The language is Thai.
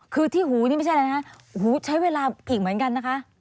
คือที่หูนี่ไม่ใช่อะไรนะคะหูใช้เวลาอีกเหมือนกันนะคะ